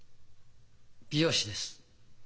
美容師です。